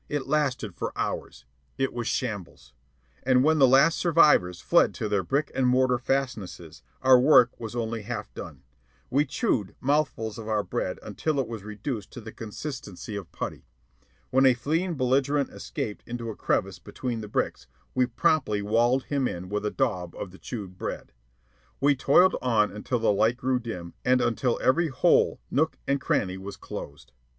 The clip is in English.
It lasted for hours. It was shambles. And when the last survivors fled to their brick and mortar fastnesses, our work was only half done. We chewed mouthfuls of our bread until it was reduced to the consistency of putty. When a fleeing belligerent escaped into a crevice between the bricks, we promptly walled him in with a daub of the chewed bread. We toiled on until the light grew dim and until every hole, nook, and cranny was closed.